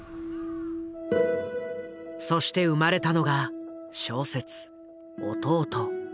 そして生まれたのが小説「弟」。